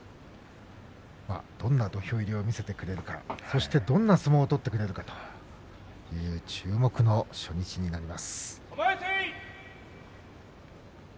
どんな土俵入りを見せてくれるかそしてどんな相撲を見せてくれるか注目の初日になります。